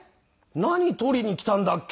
何取りに来たんだっけ？